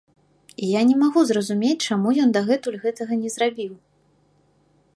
І я не магу зразумець, чаму ён дагэтуль гэтага не зрабіў.